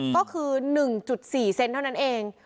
ก็คือ๑๔เซนเท่านั้นเอง